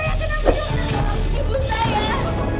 dong terima kasih ibu saya